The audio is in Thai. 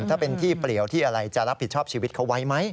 ถ้าเป็นที่เปลี่ยวที่อะไรจะรับผิดชอบชีวิตเขาไว้ไหม